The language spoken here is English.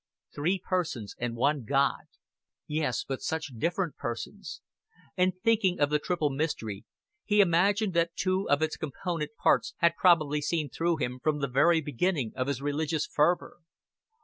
Three Persons and one God yes, but such different Persons; and thinking of the triple mystery, he imagined that two of its component parts had probably seen through him from the very beginning of his religious fervor.